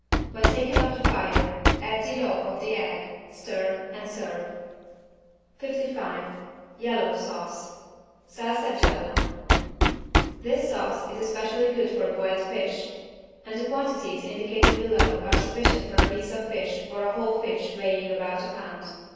When taken off the fire add the yolk of the egg, stir and serve. 55 YELLOW SAUCE (Salsa gialla) This sauce is especially good for boiled fish, and the quantities indicated below are sufficient for a piece of fish or a whole fish weighing about a pound.